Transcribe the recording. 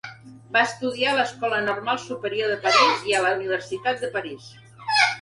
Va estudiar a l'Escola Normal Superior de París i a la Universitat de París.